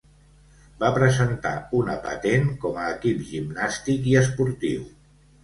Va presentar una patent com a "equip gimnàstic i esportiu".